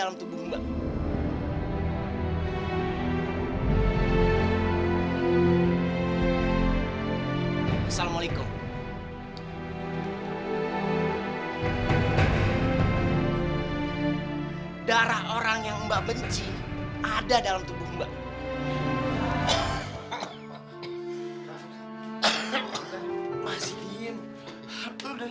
mereka sudah tidak punya bapak lagi